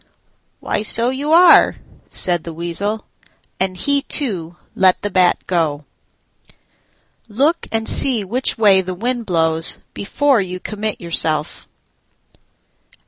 "Why, so you are," said the Weasel; and he too let the Bat go. Look and see which way the wind blows before you commit yourself.